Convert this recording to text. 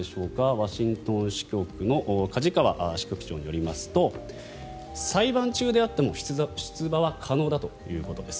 ワシントン支局の梶川支局長によりますと裁判中であっても出馬は可能だということです。